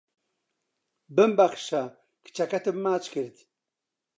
ببمبەخشە کچەکەتم ماچ کرد